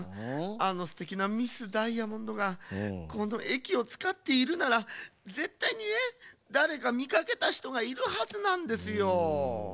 あのすてきなミス・ダイヤモンドがこのえきをつかっているならぜったいにねだれかみかけたひとがいるはずなんですよ。